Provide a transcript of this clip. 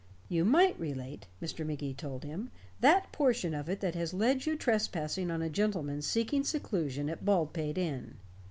"You might relate," Mr. Magee told him, "that portion of it that has led you trespassing on a gentleman seeking seclusion at Baldpate Inn."